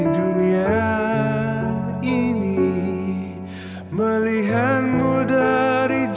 kasian lo mama sendsirian